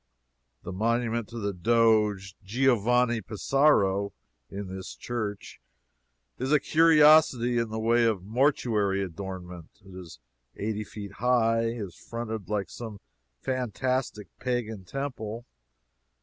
The monument to the doge Giovanni Pesaro, in this church, is a curiosity in the way of mortuary adornment. It is eighty feet high and is fronted like some fantastic pagan temple.